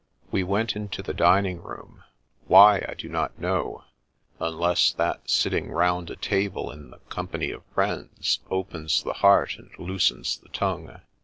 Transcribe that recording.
We went into the dining room; why, I do not know, unless that sitting round a table in the com pany of friends opens the heart and loosens the tongue.